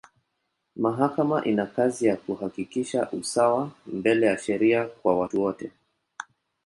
Mahakama ina kazi ya kuhakikisha usawa mbele ya sheria kwa watu wote.